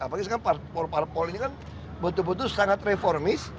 apalagi sekarang parpol parpol ini kan betul betul sangat reformis